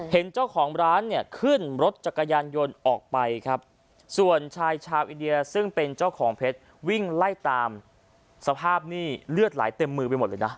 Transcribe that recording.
เห็นเจ้าของร้านเนี่ยขึ้นรถจักรยานยนต์ออกไปครับส่วนชายชาวอินเดียซึ่งเป็นเจ้าของเพชรวิ่งไล่ตามสภาพนี่เลือดไหลเต็มมือไปหมดเลยนะ